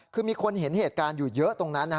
คือมีคนเห็นเหตุการณ์อยู่เยอะตรงนั้น